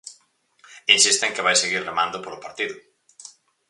Insiste en que vai seguir remando polo partido.